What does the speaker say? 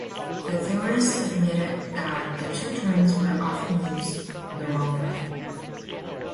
The theorist admitted that the two terms were often used the wrong way.